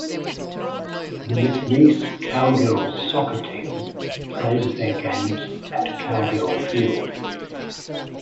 The McNeese Cowgirls soccer team plays their games at Cowgirl Field.